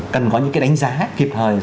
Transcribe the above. cần có những cái đánh giá kịp thời